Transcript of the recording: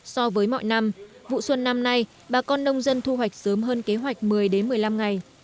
so với mọi năm vụ xuân năm nay bà con nông dân thu hoạch sớm hơn kế hoạch một mươi một mươi năm ngày